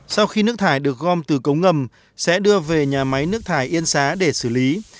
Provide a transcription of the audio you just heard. sau khi nước thải được gom từ cống ngầm sẽ đưa về nhà máy nước thải yên xá để xử lý